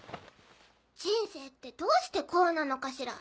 人生ってどうしてこうなのかしら？